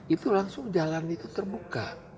itu langsung jalan itu terbuka